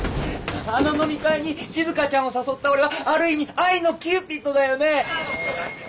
あの飲み会にしずかちゃんを誘った俺はある意味愛のキューピッドだよね？